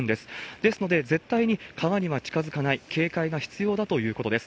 ですので、絶対に川には近づかない、警戒が必要だということです。